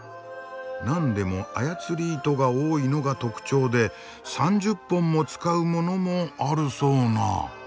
何でも操り糸が多いのが特徴で３０本も使うものもあるそうな。